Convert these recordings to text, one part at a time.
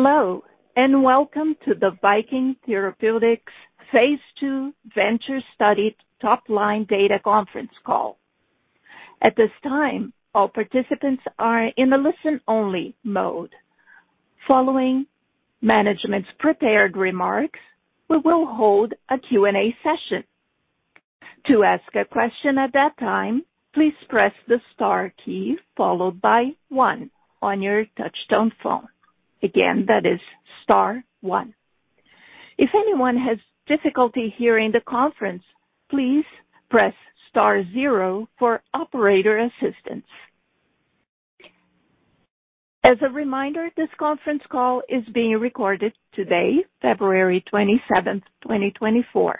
Hello and welcome to the Viking Therapeutics phase II VENTURE Study top-line data conference call. At this time, all participants are in a listen-only mode. Following management's prepared remarks, we will hold a Q&A session. To ask a question at that time, please press the star key followed by one on your touch-tone phone. Again, that is star one. If anyone has difficulty hearing the conference, please press star zero for operator assistance. As a reminder, this conference call is being recorded today, 27 February, 2024.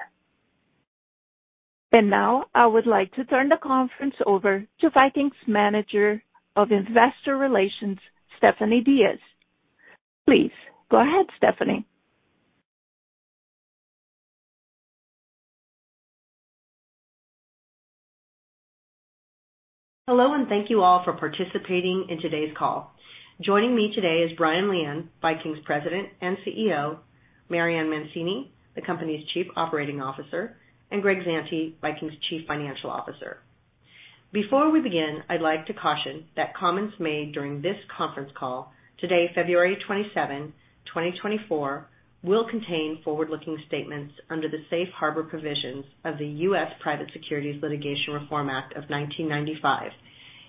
Now I would like to turn the conference over to Viking's manager of investor relations, Stephanie Diaz. Please go ahead, Stephanie. Hello and thank you all for participating in today's call. Joining me today is Brian Lian, Viking's President and CEO, Marianne Mancini, the company's Chief Operating Officer, and Greg Zante, Viking's Chief Financial Officer. Before we begin, I'd like to caution that comments made during this conference call today, 27 February, 2024, will contain forward-looking statements under the Safe Harbor provisions of the U.S. Private Securities Litigation Reform Act of 1995,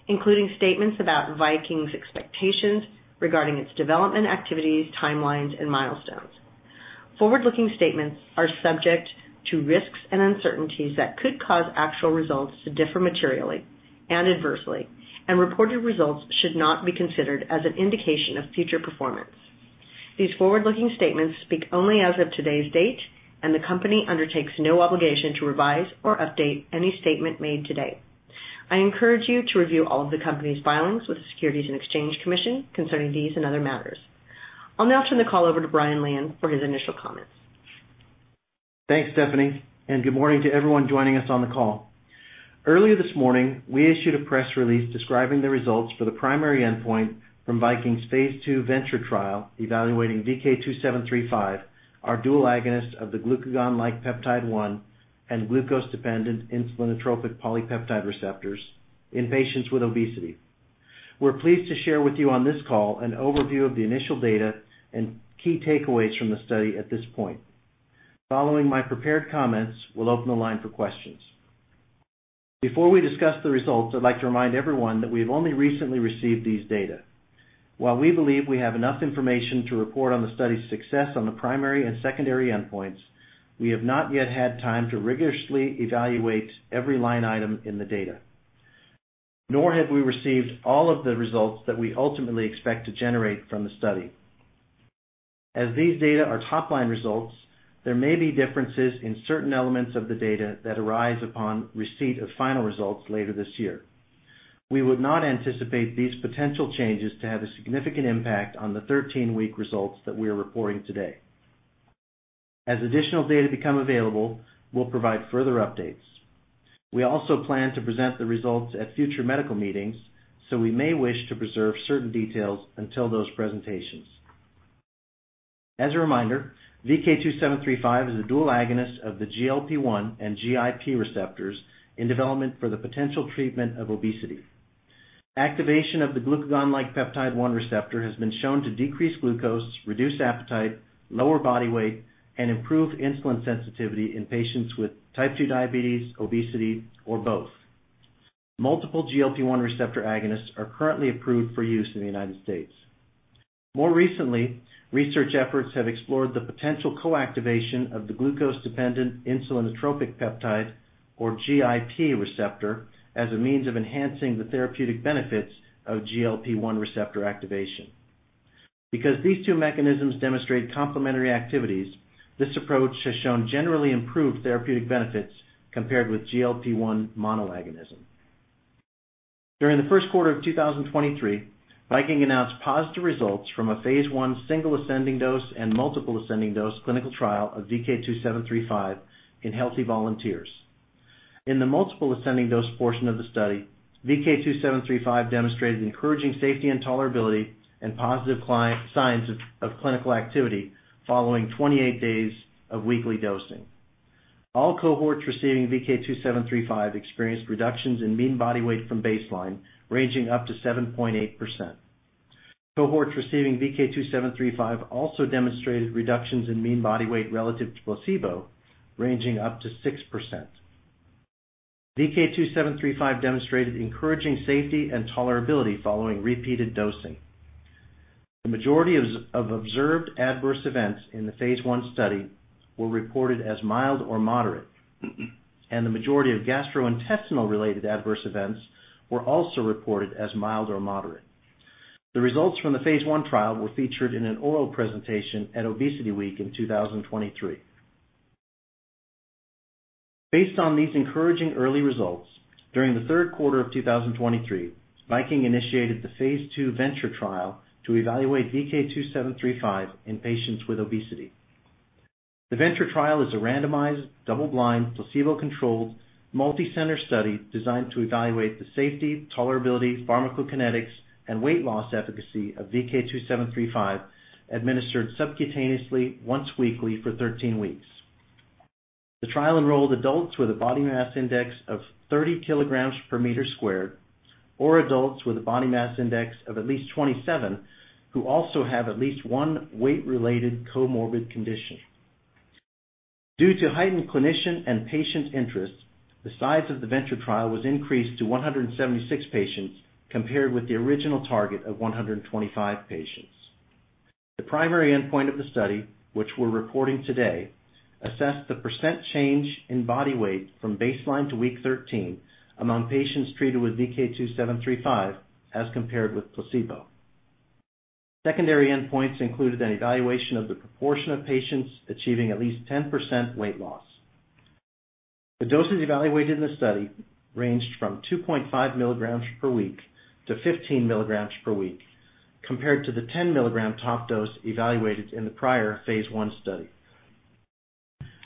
including statements about Viking's expectations regarding its development activities, timelines, and milestones. Forward-looking statements are subject to risks and uncertainties that could cause actual results to differ materially and adversely, and reported results should not be considered as an indication of future performance. These forward-looking statements speak only as of today's date, and the company undertakes no obligation to revise or update any statement made today. I encourage you to review all of the company's filings with the Securities and Exchange Commission concerning these and other matters. I'll now turn the call over to Brian Lian for his initial comments. Thanks, Stephanie, and good morning to everyone joining us on the call. Earlier this morning, we issued a press release describing the results for the primary endpoint from Viking's phase II VENTURE trial evaluating VK2735, our dual agonist of the glucagon-like peptide-1 and glucose-dependent insulinotropic polypeptide receptors, in patients with obesity. We're pleased to share with you on this call an overview of the initial data and key takeaways from the study at this point. Following my prepared comments, we'll open the line for questions. Before we discuss the results, I'd like to remind everyone that we have only recently received these data. While we believe we have enough information to report on the study's success on the primary and secondary endpoints, we have not yet had time to rigorously evaluate every line item in the data, nor have we received all of the results that we ultimately expect to generate from the study. As these data are top-line results, there may be differences in certain elements of the data that arise upon receipt of final results later this year. We would not anticipate these potential changes to have a significant impact on the 13-week results that we are reporting today. As additional data become available, we'll provide further updates. We also plan to present the results at future medical meetings, so we may wish to preserve certain details until those presentations. As a reminder, VK2735 is a dual agonist of the GLP-1 and GIP receptors in development for the potential treatment of obesity. Activation of the glucagon-like peptide 1 receptor has been shown to decrease glucose, reduce appetite, lower body weight, and improve insulin sensitivity in patients with type 2 diabetes, obesity, or both. Multiple GLP-1 receptor agonists are currently approved for use in the United States. More recently, research efforts have explored the potential co-activation of the glucose-dependent insulinotropic polypeptide, or GIP, receptor as a means of enhancing the therapeutic benefits of GLP-1 receptor activation. Because these two mechanisms demonstrate complementary activities, this approach has shown generally improved therapeutic benefits compared with GLP-1 monoagonism. During the first quarter of 2023, Viking announced positive results from a phase I single ascending dose and multiple ascending dose clinical trial of VK2735 in healthy volunteers. In the multiple ascending dose portion of the study, VK2735 demonstrated encouraging safety and tolerability and positive signs of clinical activity following 28 days of weekly dosing. All cohorts receiving VK2735 experienced reductions in mean body weight from baseline ranging up to 7.8%. Cohorts receiving VK2735 also demonstrated reductions in mean body weight relative to placebo ranging up to 6%. VK2735 demonstrated encouraging safety and tolerability following repeated dosing. The majority of observed adverse events in the phase I study were reported as mild or moderate, and the majority of gastrointestinal-related adverse events were also reported as mild or moderate. The results from the phase I trial were featured in an oral presentation at ObesityWeek in 2023. Based on these encouraging early results, during the third quarter of 2023, Viking initiated the phase II VENTURE trial to evaluate VK2735 in patients with obesity. The VENTURE trial is a randomized, double-blind, placebo-controlled, multi-center study designed to evaluate the safety, tolerability, pharmacokinetics, and weight loss efficacy of VK2735 administered subcutaneously once weekly for 13 weeks. The trial enrolled adults with a body mass index of 30 kilograms per meter squared or adults with a body mass index of at least 27 who also have at least one weight-related comorbid condition. Due to heightened clinician and patient interest, the size of the VENTURE trial was increased to 176 patients compared with the original target of 125 patients. The primary endpoint of the study, which we're reporting today, assessed the percent change in body weight from baseline to week 13 among patients treated with VK2735 as compared with placebo. Secondary endpoints included an evaluation of the proportion of patients achieving at least 10% weight loss. The doses evaluated in the study ranged from 2.5 milligrams per week to 15 milligrams per week compared to the 10 milligram top dose evaluated in the prior phase I study.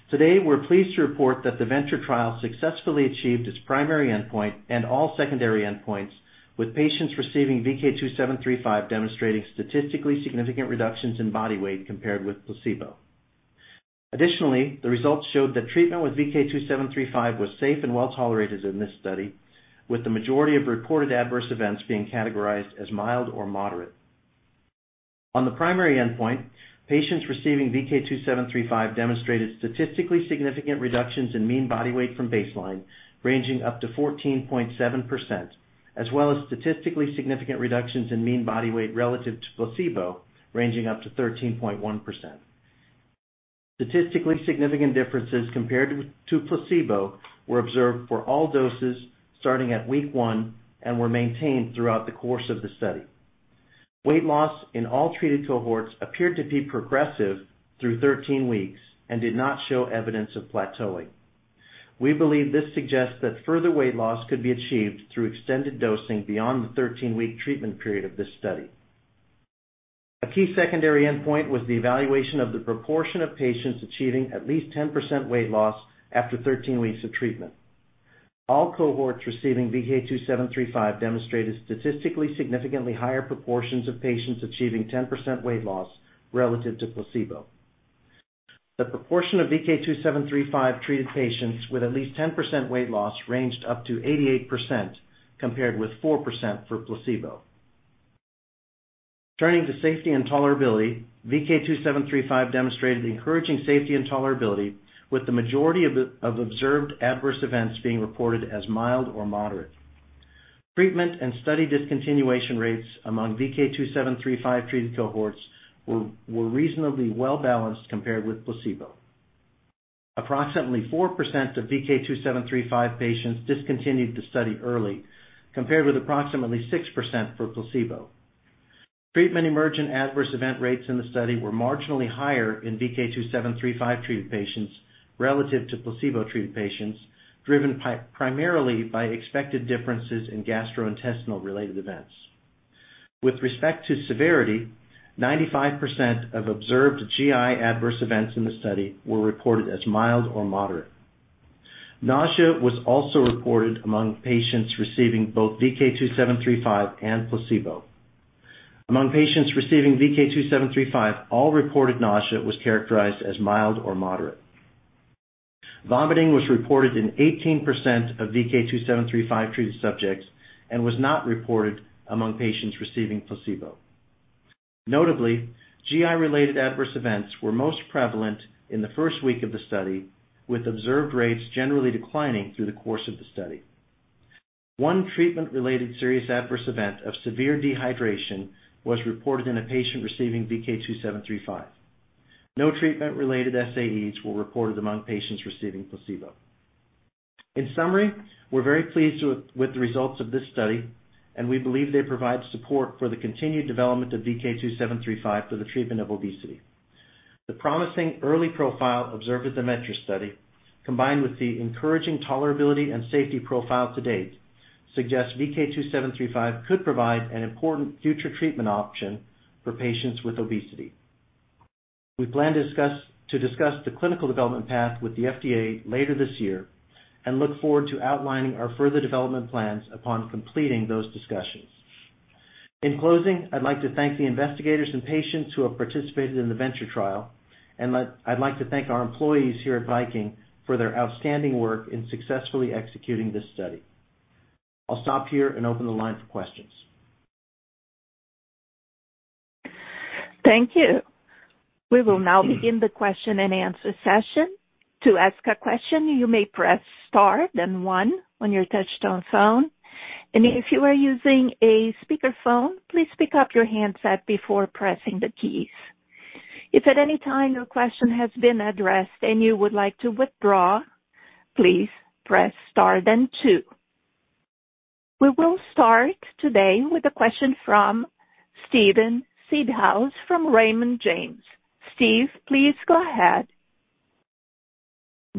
Today, we're pleased to report that the VENTURE trial successfully achieved its primary endpoint and all secondary endpoints, with patients receiving VK2735 demonstrating statistically significant reductions in body weight compared with placebo. Additionally, the results showed that treatment with VK2735 was safe and well-tolerated in this study, with the majority of reported adverse events being categorized as mild or moderate. On the primary endpoint, patients receiving VK2735 demonstrated statistically significant reductions in mean body weight from baseline ranging up to 14.7%, as well as statistically significant reductions in mean body weight relative to placebo ranging up to 13.1%. Statistically significant differences compared to placebo were observed for all doses starting at week one and were maintained throughout the course of the study. Weight loss in all treated cohorts appeared to be progressive through 13 weeks and did not show evidence of plateauing. We believe this suggests that further weight loss could be achieved through extended dosing beyond the 13 week treatment period of this study. A key secondary endpoint was the evaluation of the proportion of patients achieving at least 10% weight loss after 13 weeks of treatment. All cohorts receiving VK2735 demonstrated statistically significantly higher proportions of patients achieving 10% weight loss relative to placebo. The proportion of VK2735 treated patients with at least 10% weight loss ranged up to 88% compared with 4% for placebo. Turning to safety and tolerability, VK2735 demonstrated encouraging safety and tolerability, with the majority of observed adverse events being reported as mild or moderate. Treatment and study discontinuation rates among VK2735 treated cohorts were reasonably well-balanced compared with placebo. Approximately 4% of VK2735 patients discontinued the study early, compared with approximately 6% for placebo. Treatment emergent adverse event rates in the study were marginally higher in VK2735 treated patients relative to placebo treated patients, driven primarily by expected differences in gastrointestinal-related events. With respect to severity, 95% of observed GI adverse events in the study were reported as mild or moderate. Nausea was also reported among patients receiving both VK2735 and placebo. Among patients receiving VK2735, all reported nausea was characterized as mild or moderate. Vomiting was reported in 18% of VK2735 treated subjects and was not reported among patients receiving placebo. Notably, GI-related adverse events were most prevalent in the first week of the study, with observed rates generally declining through the course of the study. One treatment-related serious adverse event of severe dehydration was reported in a patient receiving VK2735. No treatment-related SAEs were reported among patients receiving placebo. In summary, we're very pleased with the results of this study, and we believe they provide support for the continued development of VK2735 for the treatment of obesity. The promising early profile observed at the VENTURE study, combined with the encouraging tolerability and safety profile to date, suggests VK2735 could provide an important future treatment option for patients with obesity. We plan to discuss the clinical development path with the FDA later this year and look forward to outlining our further development plans upon completing those discussions. In closing, I'd like to thank the investigators and patients who have participated in the VENTURE trial, and I'd like to thank our employees here at Viking for their outstanding work in successfully executing this study. I'll stop here and open the line for questions. Thank you. We will now begin the question and answer session. To ask a question, you may press star then one on your touch-tone phone. If you are using a speakerphone, please pick up your handset before pressing the keys. If at any time your question has been addressed and you would like to withdraw, please press star then two. We will start today with a question from Steven Seedhouse from Raymond James. Steve, please go ahead.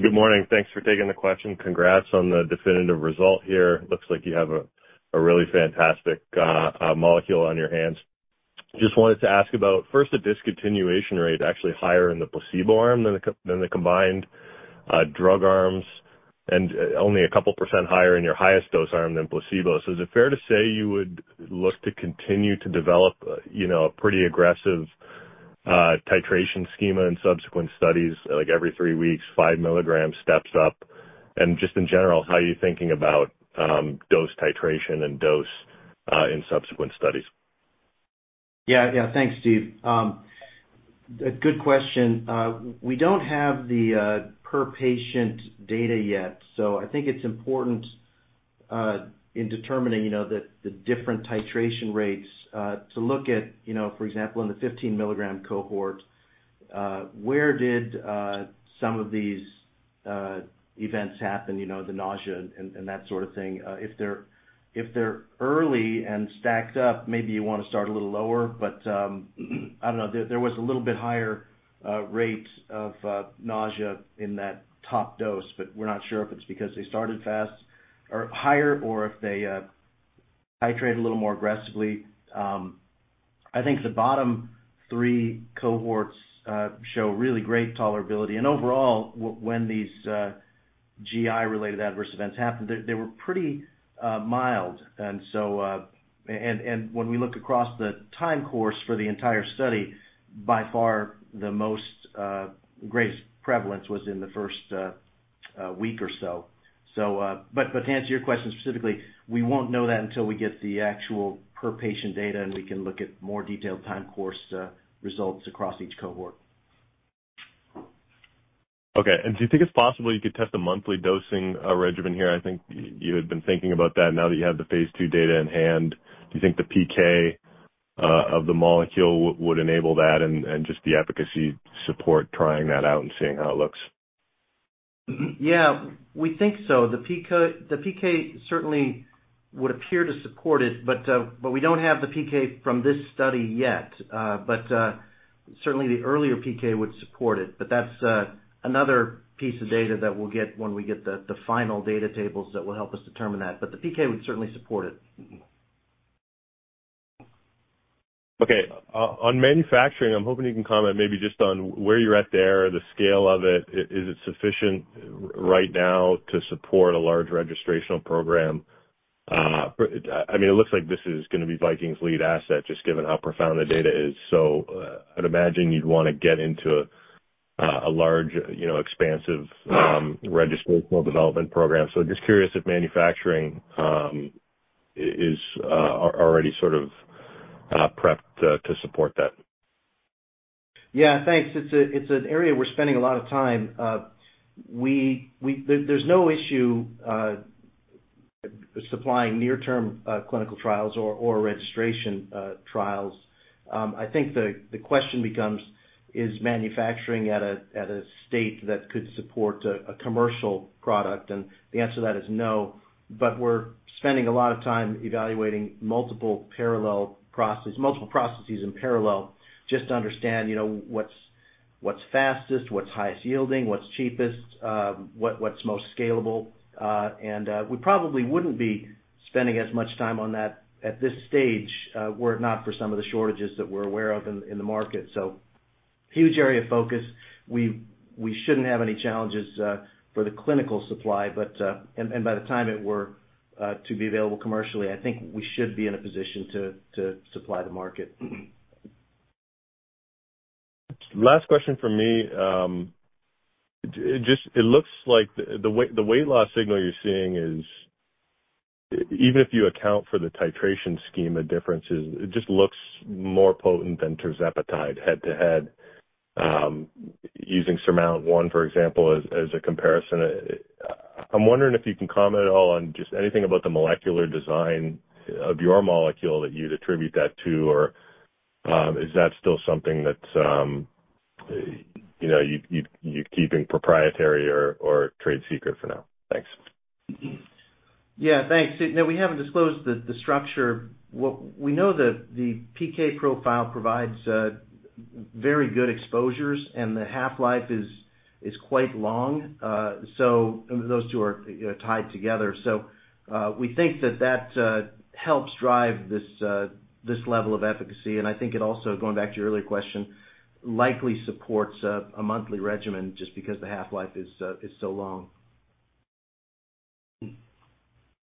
Good morning. Thanks for taking the question. Congrats on the definitive result here. Looks like you have a really fantastic molecule on your hands. Just wanted to ask about, first, a discontinuation rate actually higher in the placebo arm than the combined drug arms and only a couple% higher in your highest dose arm than placebo. So is it fair to say you would look to continue to develop a pretty aggressive titration schema in subsequent studies, like every three weeks, 5 milligrams, steps up? And just in general, how are you thinking about dose titration and dose in subsequent studies? Yeah, yeah. Thanks, Steve. Good question. We don't have the per-patient data yet, so I think it's important in determining the different titration rates to look at, for example, in the 15 milligram cohort, where did some of these events happen, the nausea and that sort of thing. If they're early and stacked up, maybe you want to start a little lower. But I don't know. There was a little bit higher rate of nausea in that top dose, but we're not sure if it's because they started higher or if they titrate a little more aggressively. I think the bottom three cohorts show really great tolerability. And overall, when these GI-related adverse events happened, they were pretty mild. And when we look across the time course for the entire study, by far, the most greatest prevalence was in the first week or so. But to answer your question specifically, we won't know that until we get the actual per-patient data, and we can look at more detailed time course results across each cohort. Okay. Do you think it's possible you could test a monthly dosing regimen here? I think you had been thinking about that now that you have the phase II data in hand. Do you think the PK of the molecule would enable that and just the efficacy support trying that out and seeing how it looks? Yeah, we think so. The PK certainly would appear to support it, but we don't have the PK from this study yet. But certainly, the earlier PK would support it. But that's another piece of data that we'll get when we get the final data tables that will help us determine that. But the PK would certainly support it. Okay. On manufacturing, I'm hoping you can comment maybe just on where you're at there, the scale of it. Is it sufficient right now to support a large registration program? I mean, it looks like this is going to be Viking's lead asset, just given how profound the data is. So I'd imagine you'd want to get into a large, expansive registration development program. So just curious if manufacturing is already sort of prepped to support that. Yeah, thanks. It's an area we're spending a lot of time. There's no issue supplying near-term clinical trials or registration trials. I think the question becomes, is manufacturing at a state that could support a commercial product? The answer to that is no. We're spending a lot of time evaluating multiple processes in parallel just to understand what's fastest, what's highest yielding, what's cheapest, what's most scalable. We probably wouldn't be spending as much time on that at this stage were it not for some of the shortages that we're aware of in the market. Huge area of focus. We shouldn't have any challenges for the clinical supply. By the time it were to be available commercially, I think we should be in a position to supply the market. Last question from me. It looks like the weight loss signal you're seeing is even if you account for the titration schema differences, it just looks more potent than tirzepatide head-to-head. Using SURMOUNT-1, for example, as a comparison, I'm wondering if you can comment at all on just anything about the molecular design of your molecule that you'd attribute that to, or is that still something that you're keeping proprietary or trade secret for now? Thanks. Yeah, thanks. Now, we haven't disclosed the structure. We know that the PK profile provides very good exposures, and the half-life is quite long. So those two are tied together. So we think that that helps drive this level of efficacy. And I think it also, going back to your earlier question, likely supports a monthly regimen just because the half-life is so long.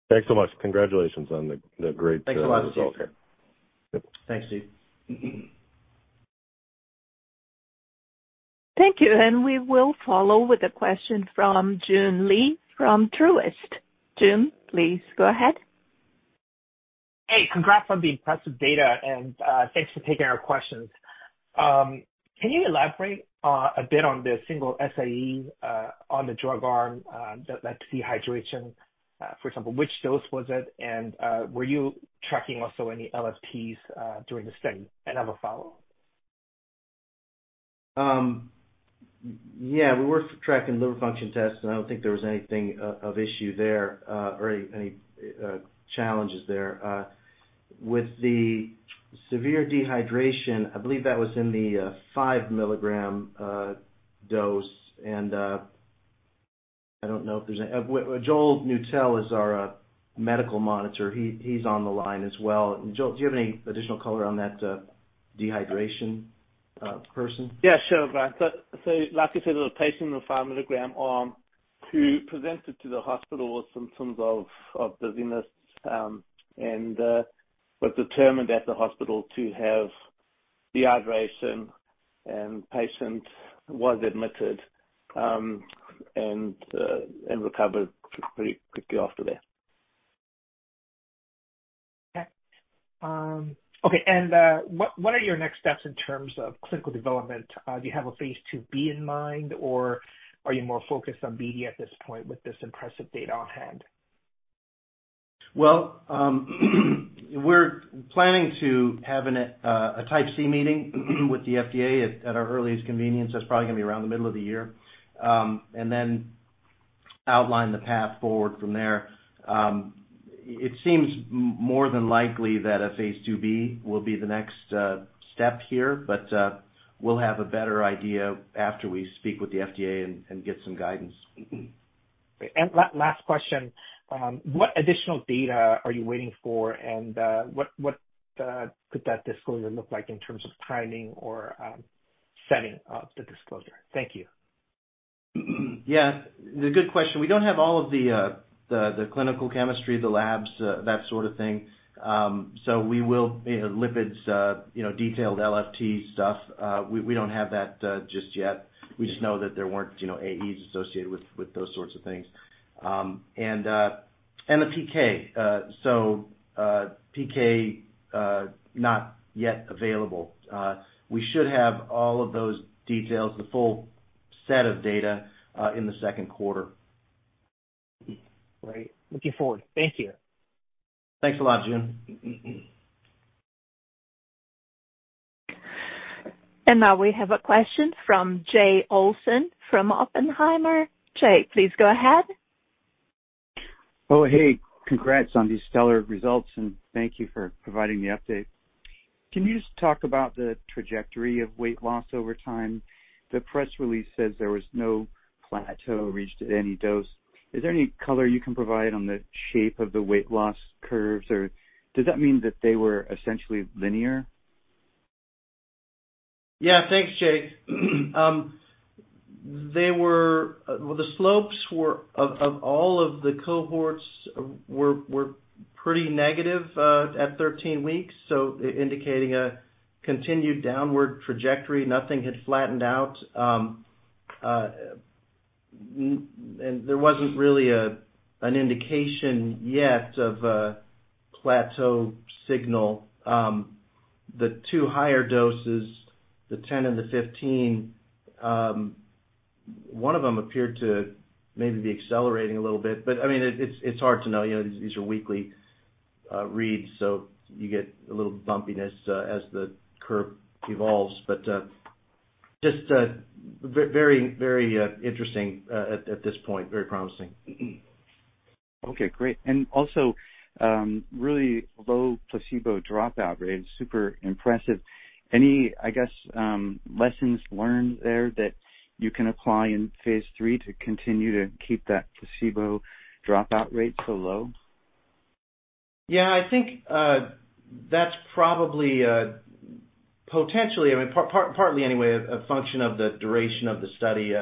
Thanks so much. Congratulations on the great result. Thanks a lot, Steve. Thanks, Steve. Thank you. We will follow with a question from Joon Lee from Truist. Joon, please go ahead. Hey, congrats on the impressive data, and thanks for taking our questions. Can you elaborate a bit on the single SAE on the drug arm that dehydration, for example? Which dose was it? And were you tracking also any LFTs during the study? I'd have a follow-up. Yeah, we were tracking liver function tests, and I don't think there was anything of issue there or any challenges there. With the severe dehydration, I believe that was in the 5 mg dose. And I don't know if there's any. Joel Neutel is our medical monitor. He's on the line as well. Joel, do you have any additional color on that dehydration person? Yeah, sure. Like I said, it was a patient on the 5 milligram arm who presented to the hospital with symptoms of dizziness and was determined at the hospital to have dehydration. The patient was admitted and recovered pretty quickly after that. Okay. Okay. And what are your next steps in terms of clinical development? Do you have a phase II-B in mind, or are you more focused on BD at this point with this impressive data on hand? Well, we're planning to have a Type C meeting with the FDA at our earliest convenience. That's probably going to be around the middle of the year. Then outline the path forward from there. It seems more than likely that a phase II-B will be the next step here, but we'll have a better idea after we speak with the FDA and get some guidance. Great. And last question. What additional data are you waiting for, and what could that disclosure look like in terms of timing or setting of the disclosure? Thank you. Yeah, it's a good question. We don't have all of the clinical chemistry, the labs, that sort of thing. So lipids, detailed LFT stuff, we don't have that just yet. We just know that there weren't AEs associated with those sorts of things. And the PK. So PK not yet available. We should have all of those details, the full set of data in the second quarter. Great. Looking forward. Thank you. Thanks a lot, Joon. And now we have a question from Jay Olson from Oppenheimer. Jay, please go ahead. Oh, hey. Congrats on these stellar results, and thank you for providing the update. Can you just talk about the trajectory of weight loss over time? The press release says there was no plateau reached at any dose. Is there any color you can provide on the shape of the weight loss curves, or does that mean that they were essentially linear? Yeah, thanks, Jay. Well, the slopes of all of the cohorts were pretty negative at 13 weeks, so indicating a continued downward trajectory. Nothing had flattened out, and there wasn't really an indication yet of a plateau signal. The two higher doses, the 10 and the 15, one of them appeared to maybe be accelerating a little bit. But I mean, it's hard to know. These are weekly reads, so you get a little bumpiness as the curve evolves. But just very, very interesting at this point, very promising. Okay, great. And also, really low placebo dropout rate, super impressive. Any, I guess, lessons learned there that you can apply in phase III to continue to keep that placebo dropout rate so low? Yeah, I think that's probably potentially I mean, partly anyway, a function of the duration of the study.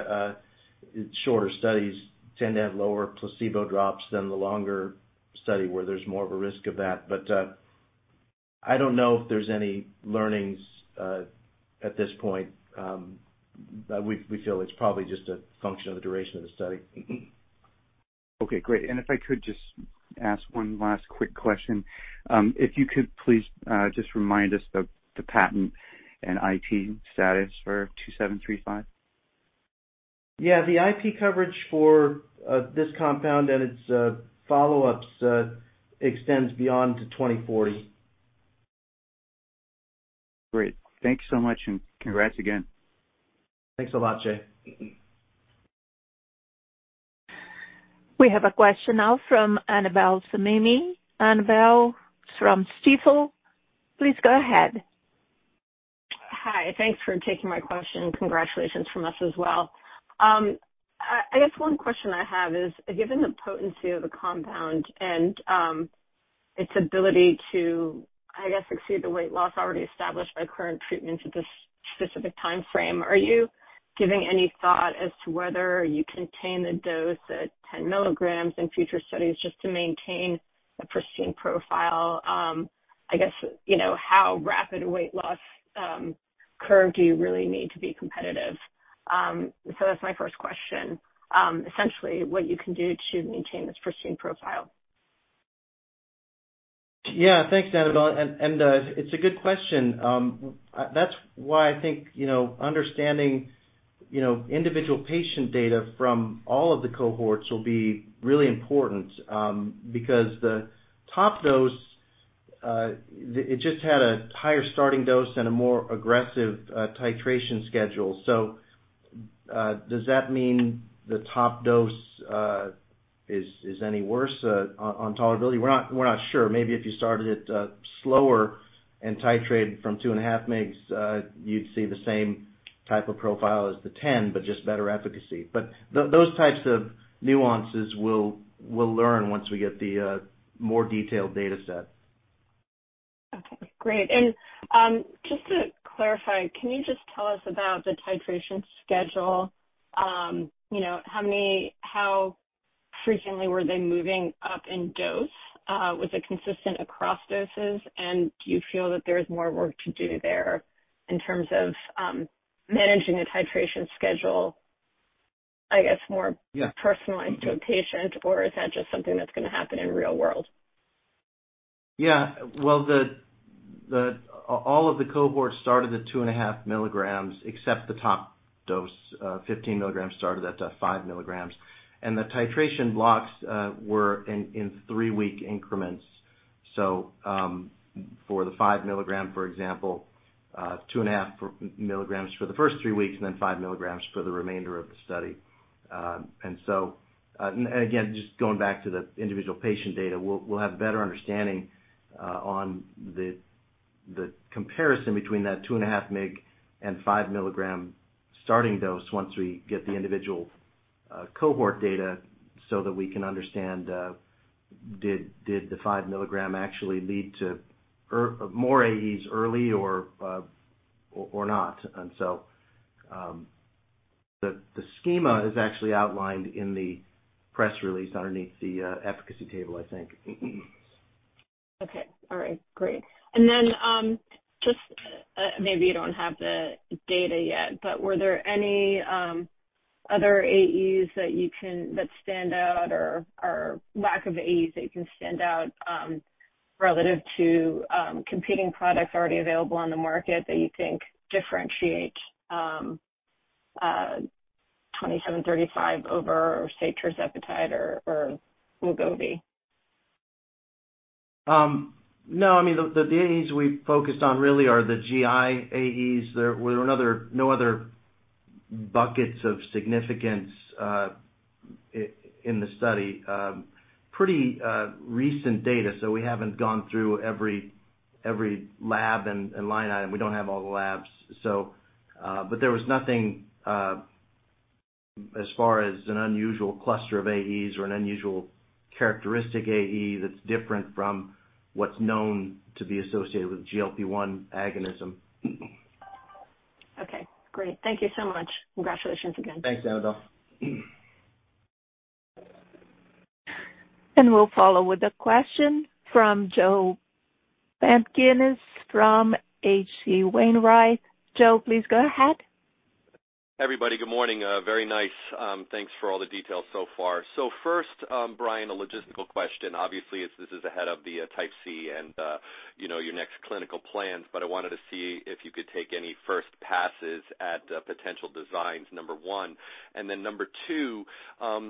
Shorter studies tend to have lower placebo drops than the longer study where there's more of a risk of that. But I don't know if there's any learnings at this point. We feel it's probably just a function of the duration of the study. Okay, great. And if I could just ask one last quick question, if you could please just remind us the patent and IP status for VK2735. Yeah, the IP coverage for this compound and its follow-ups extends beyond to 2040. Great. Thank you so much, and congrats again. Thanks a lot, Jay. We have a question now from Annabel Samimy. Annabel from Stifel, please go ahead. Hi. Thanks for taking my question. Congratulations from us as well. I guess one question I have is, given the potency of the compound and its ability to, I guess, exceed the weight loss already established by current treatments at this specific time frame, are you giving any thought as to whether you contain the dose at 10 mg in future studies just to maintain a pristine profile? I guess, how rapid a weight loss curve do you really need to be competitive? So that's my first question. Essentially, what you can do to maintain this pristine profile. Yeah, thanks, Annabel. It's a good question. That's why I think understanding individual patient data from all of the cohorts will be really important because the top dose, it just had a higher starting dose and a more aggressive titration schedule. So does that mean the top dose is any worse on tolerability? We're not sure. Maybe if you started it slower and titrated from 2.5 mg, you'd see the same type of profile as the 10, but just better efficacy. But those types of nuances we'll learn once we get the more detailed data set. Okay, great. And just to clarify, can you just tell us about the titration schedule? How frequently were they moving up in dose? Was it consistent across doses? And do you feel that there is more work to do there in terms of managing the titration schedule, I guess, more personalized to a patient, or is that just something that's going to happen in real world? Yeah. Well, all of the cohorts started at 2.5 milligrams except the top dose. 15 milligrams started at 5 milligrams. And the titration blocks were in three-week increments. So for the 5 milligram, for example, 2.5 milligrams for the first three weeks, and then 5 milligrams for the remainder of the study. And again, just going back to the individual patient data, we'll have a better understanding on the comparison between that 2.5 mg and 5 milligram starting dose once we get the individual cohort data so that we can understand, did the 5 milligram actually lead to more AEs early or not? And so the schema is actually outlined in the press release underneath the efficacy table, I think. Okay. All right. Great. And then just maybe you don't have the data yet, but were there any other AEs that stand out or lack of AEs that you can stand out relative to competing products already available on the market that you think differentiate 2735 over, say, tirzepatide or Wegovy? No. I mean, the AEs we focused on really are the GI AEs. There were no other buckets of significance in the study. Pretty recent data. So we haven't gone through every lab and line item. We don't have all the labs. But there was nothing as far as an unusual cluster of AEs or an unusual characteristic AE that's different from what's known to be associated with GLP-1 agonism. Okay, great. Thank you so much. Congratulations again. Thanks, Annabel. We'll follow with a question from Joe Pantginis from H.C. Wainwright. Joe, please go ahead. Everybody, good morning. Very nice. Thanks for all the details so far. So first, Brian, a logistical question. Obviously, this is ahead of the Type C and your next clinical plans, but I wanted to see if you could take any first passes at potential designs, number one. And then number two,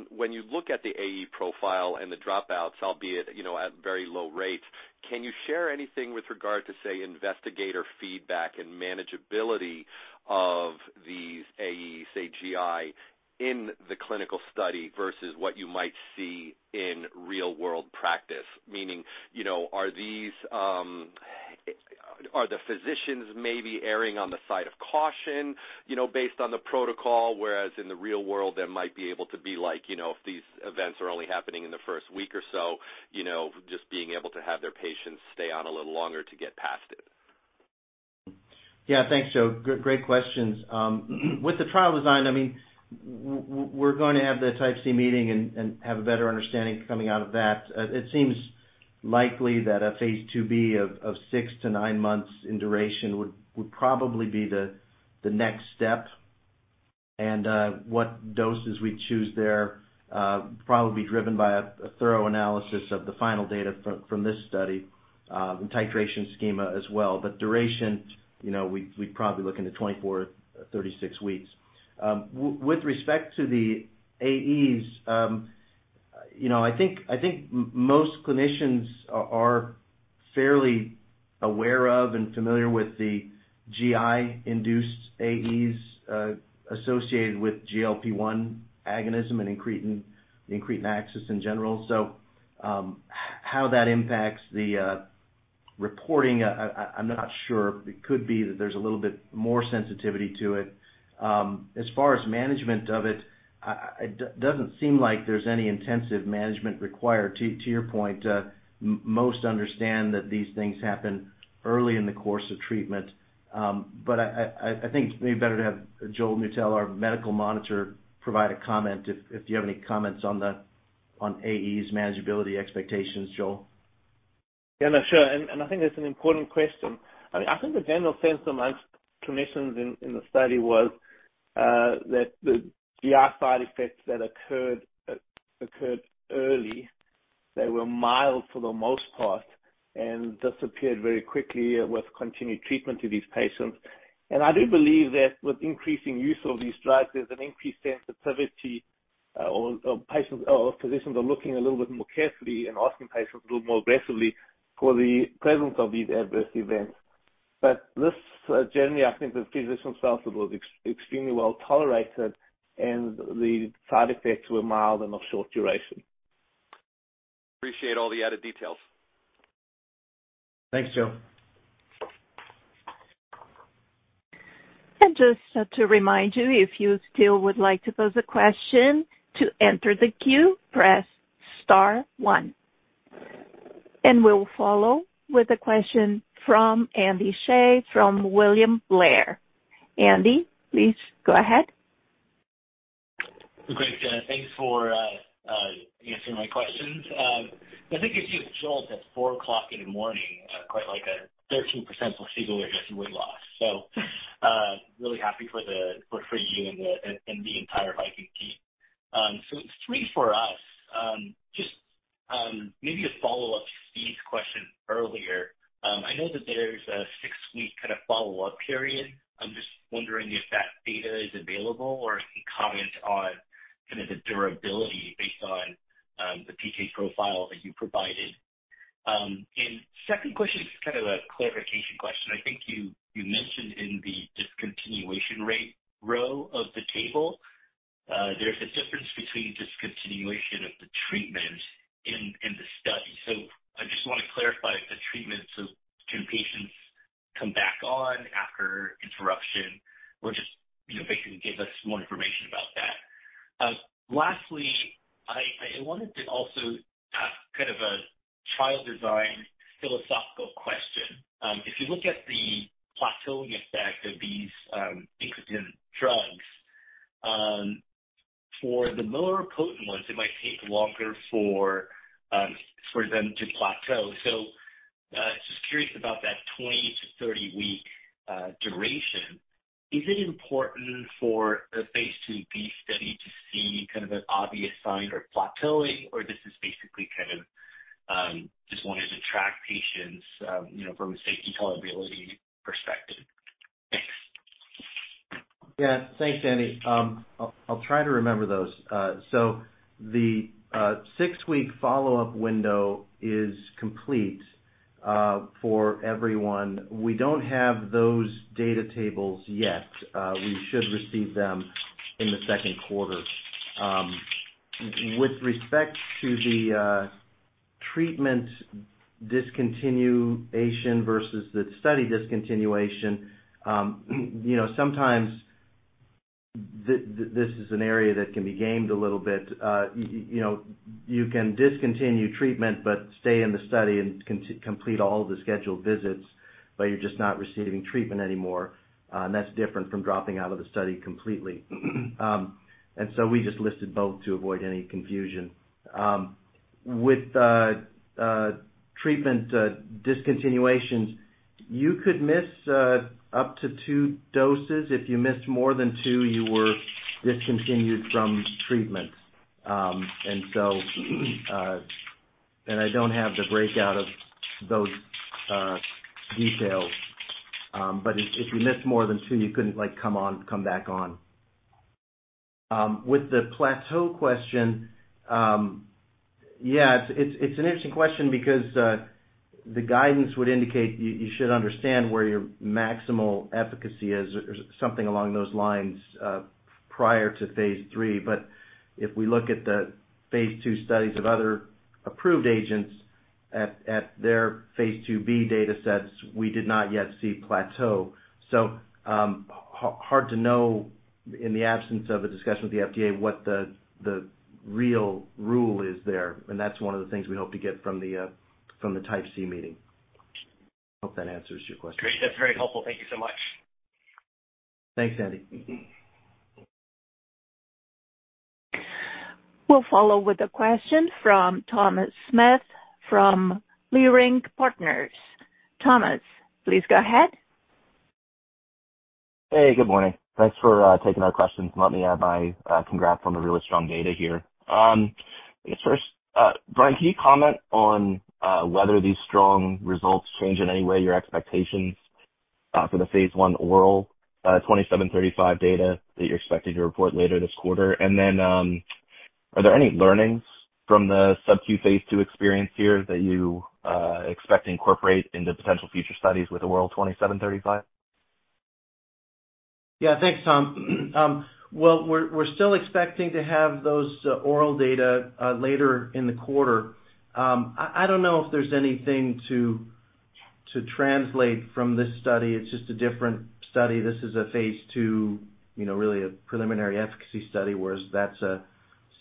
when you look at the AE profile and the dropouts, albeit at very low rates, can you share anything with regard to, say, investigator feedback and manageability of these AEs, say, GI, in the clinical study versus what you might see in real-world practice? Meaning, are the physicians maybe erring on the side of caution based on the protocol, whereas in the real world, there might be able to be if these events are only happening in the first week or so, just being able to have their patients stay on a little longer to get past it? Yeah, thanks, Joe. Great questions. With the trial design, I mean, we're going to have the Type C meeting and have a better understanding coming out of that. It seems likely that a phase II-B of six to nine months in duration would probably be the next step. And what doses we choose there would probably be driven by a thorough analysis of the final data from this study and titration schema as well. But duration, we'd probably look into 24-36 weeks. With respect to the AEs, I think most clinicians are fairly aware of and familiar with the GI-induced AEs associated with GLP-1 agonism and incretin axis in general. So how that impacts the reporting, I'm not sure. It could be that there's a little bit more sensitivity to it. As far as management of it, it doesn't seem like there's any intensive management required. To your point, most understand that these things happen early in the course of treatment. But I think it's maybe better to have Joel Neutel, our medical monitor, provide a comment if you have any comments on AEs, manageability, expectations, Joel. Yeah, no, sure. I think that's an important question. I mean, I think the general sense among clinicians in the study was that the GI side effects that occurred early, they were mild for the most part and disappeared very quickly with continued treatment to these patients. I do believe that with increasing use of these drugs, there's an increased sensitivity, or physicians are looking a little bit more carefully and asking patients a little more aggressively for the presence of these adverse events. But generally, I think the physicians felt it was extremely well tolerated, and the side effects were mild and of short duration. Appreciate all the added details. Thanks, Joe. Just to remind you, if you still would like to pose a question, to enter the queue, press star one. We'll follow with a question from Andy Hsieh from William Blair. Andy, please go ahead. Great, Jen. Thanks for answering my questions. I think if you had Joel at 4:00 A.M., quite like a 13% placebo-adjusted weight loss. So really happy for you and the entire Viking team. So it's three for us. With respect to the treatment discontinuation versus the study discontinuation, sometimes this is an area that can be gamed a little bit. You can discontinue treatment but stay in the study and complete all of the scheduled visits, but you're just not receiving treatment anymore. And that's different from dropping out of the study completely. And so we just listed both to avoid any confusion. With treatment discontinuations, you could miss up to two doses. If you missed more than two, you were discontinued from treatment. And I don't have the breakout of those details. But if you missed more than two, you couldn't come back on. With the plateau question, yeah, it's an interesting question because the guidance would indicate you should understand where your maximal efficacy is or something along those lines prior to phase III. But if we look at the phase II studies of other approved agents, at their phase II-B data sets, we did not yet see plateau. So hard to know in the absence of a discussion with the FDA what the real rule is there. And that's one of the things we hope to get from the Type C meeting. Hope that answers your question. Great. That's very helpful. Thank you so much. Thanks, Andy. We'll follow with a question from Thomas Smith from Leerink Partners. Thomas, please go ahead. Hey, good morning. Thanks for taking our questions. Let me add my congrats on the really strong data here. I guess first, Brian, can you comment on whether these strong results change in any way your expectations for the phase I oral 2735 data that you're expected to report later this quarter? And then are there any learnings from the sub-Q phase II experience here that you expect to incorporate into potential future studies with oral 2735? Yeah, thanks, Tom. Well, we're still expecting to have those oral data later in the quarter. I don't know if there's anything to translate from this study. It's just a different study. This is a phase II, really a preliminary efficacy study, whereas that's a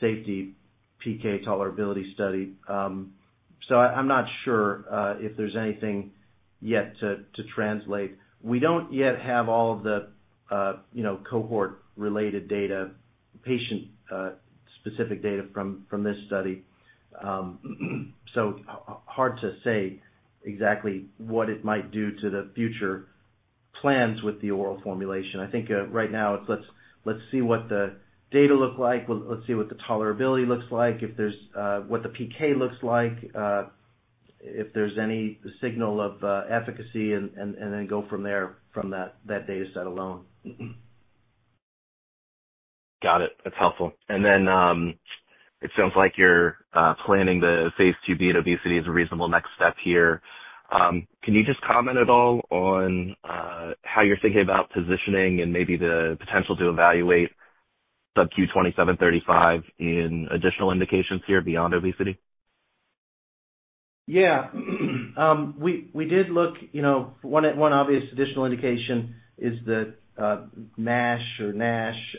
safety PK tolerability study. So I'm not sure if there's anything yet to translate. We don't yet have all of the cohort-related data, patient-specific data from this study. So hard to say exactly what it might do to the future plans with the oral formulation. I think right now, it's let's see what the data look like. Let's see what the tolerability looks like, what the PK looks like, if there's any signal of efficacy, and then go from there from that data set alone. Got it. That's helpful. And then it sounds like you're planning the phase II-B and obesity as a reasonable next step here. Can you just comment at all on how you're thinking about positioning and maybe the potential to evaluate sub-Q VK2735 in additional indications here beyond obesity? Yeah. We did look. One obvious additional indication is the MASH or NASH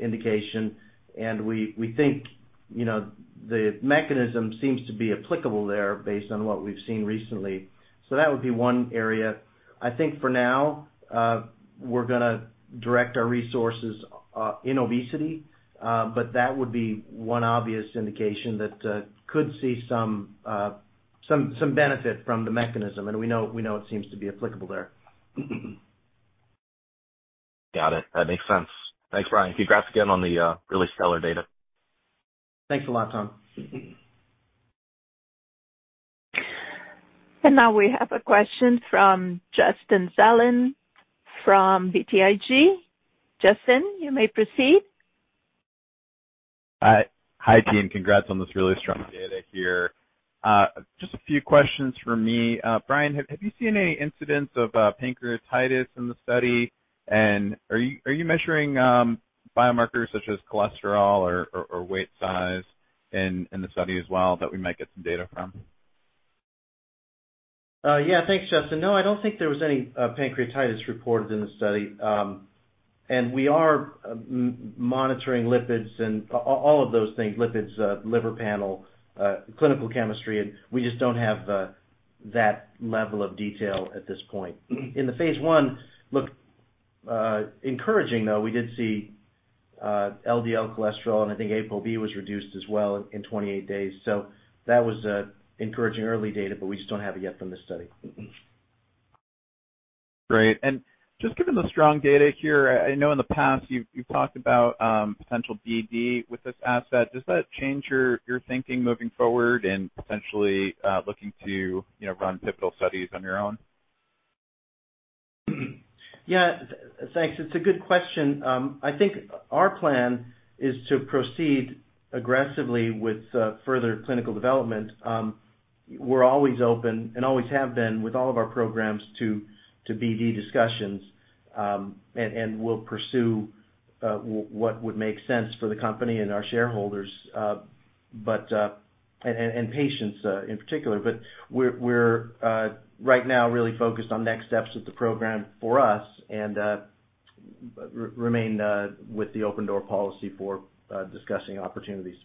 indication. And we think the mechanism seems to be applicable there based on what we've seen recently. So that would be one area. I think for now, we're going to direct our resources in obesity. But that would be one obvious indication that could see some benefit from the mechanism. And we know it seems to be applicable there. Got it. That makes sense. Thanks, Brian. Congrats again on the really stellar data. Thanks a lot, Tom. Now we have a question from Justin Zelin from BTIG. Justin, you may proceed. Hi, Dean. Congrats on this really strong data here. Just a few questions for me. Brian, have you seen any incidence of pancreatitis in the study? And are you measuring biomarkers such as cholesterol or waist size in the study as well that we might get some data from? Yeah, thanks, Justin. No, I don't think there was any pancreatitis reported in the study. We are monitoring lipids and all of those things, lipids, liver panel, clinical chemistry. We just don't have that level of detail at this point. In the phase I, look, encouraging though, we did see LDL cholesterol. I think ApoB was reduced as well in 28 days. So that was encouraging early data, but we just don't have it yet from this study. Great. Just given the strong data here, I know in the past you've talked about potential BD with this asset. Does that change your thinking moving forward in potentially looking to run pivotal studies on your own? Yeah, thanks. It's a good question. I think our plan is to proceed aggressively with further clinical development. We're always open and always have been with all of our programs to BD discussions. And we'll pursue what would make sense for the company and our shareholders and patients in particular. But we're right now really focused on next steps with the program for us and remain with the open-door policy for discussing opportunities.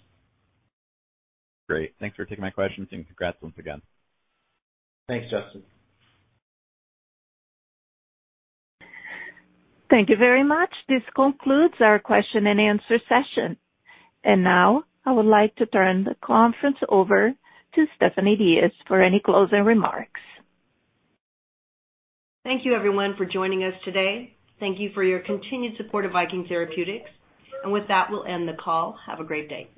Great. Thanks for taking my questions, and congrats once again. Thanks, Justin. Thank you very much. This concludes our question-and-answer session. And now I would like to turn the conference over to Stephanie Diaz for any closing remarks. Thank you, everyone, for joining us today. Thank you for your continued support of Viking Therapeutics. With that, we'll end the call. Have a great day.